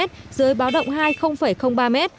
dưới báo động hai ba m